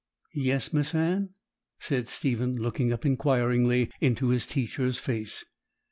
"' 'Yes, Miss Anne,' said Stephen, looking up inquiringly into his teacher's face.